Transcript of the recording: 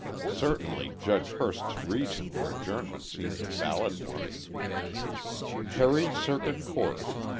Certainly Judge Hurst's reason for adjournment seems a valid one: PERRY CIRCUIT COURT.